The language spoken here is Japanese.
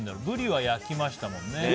ブリは焼きましたもんね。